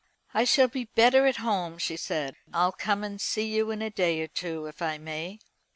"I shall be better at home," she said. "I'll come and see you in a day or two, if I may."